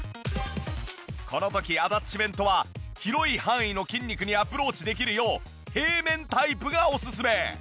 この時アタッチメントは広い範囲の筋肉にアプローチできるよう平面タイプがオススメ。